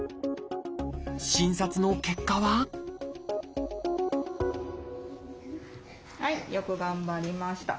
診察の結果ははいよく頑張りました。